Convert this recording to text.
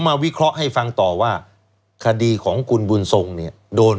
วิเคราะห์ให้ฟังต่อว่าคดีของคุณบุญทรงเนี่ยโดน